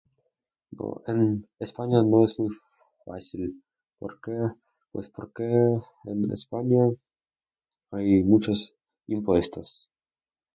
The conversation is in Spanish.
oh...En España no es fácil, porque... pues porque en España hay muchos impuestos.